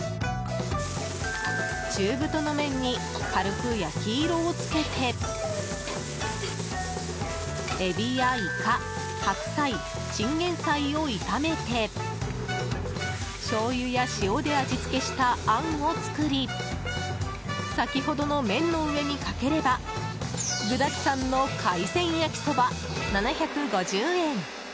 中太の麺に軽く焼き色をつけてエビやイカ、白菜チンゲンサイを炒めてしょうゆや塩で味付けしたあんを作り先ほどの麺の上にかければ具だくさんの海鮮焼きそば７５０円。